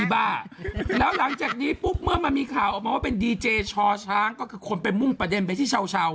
บ้าแล้วหลังจากนี้ปุ๊บเมื่อมันมีข่าวออกมาว่าเป็นดีเจชอช้างก็คือคนไปมุ่งประเด็นไปที่ชาว